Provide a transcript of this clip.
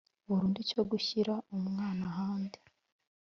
burundu cyo gushyira umwana ahandi